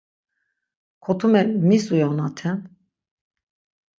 Kotume mis uyonaten?